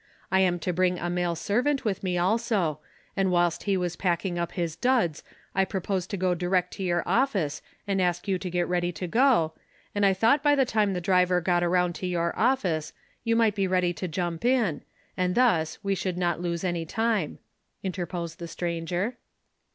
1 am to bring a male servant with me also, and whilst he was packing up his duds, I proposed to go direct to your office, and ask you to get ready to go, and I thought by the time the driver got around to your office, you might be ready to jump in, and thus we should not lose any time," interposed the stranger.